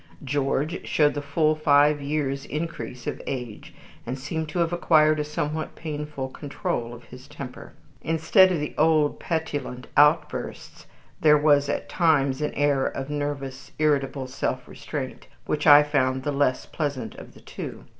George showed the full five years' increase of age, and seemed to have acquired a somewhat painful control of his temper. Instead of the old petulant outbursts, there was at times an air of nervous, irritable self restraint, which I found the less pleasant of the two.